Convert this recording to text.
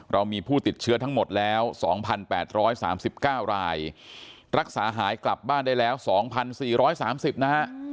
เรามีผู้ติดเชื้อทั้งหมดแล้ว๒๘๓๙รายรักษาหายกลับบ้านได้แล้ว๒๔๓๐นะฮะ